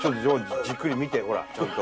えっじっくり見てほらちゃんと。